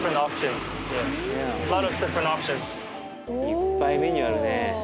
いっぱいメニューあるね。